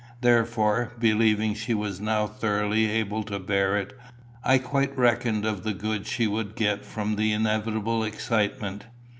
Therefore, believing she was now thoroughly able to bear it, I quite reckoned of the good she would get from the inevitable excitement.